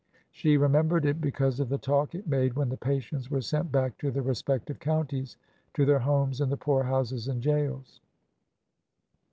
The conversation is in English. She re membered it because of the talk it made when the patients were sent back to their respective counties, to their homes and the poorhouses and jails.